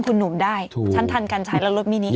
คุณยูตไปเรื่อย